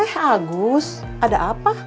eh agus ada apa